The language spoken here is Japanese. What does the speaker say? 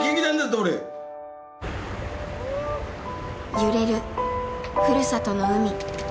揺れるふるさとの海。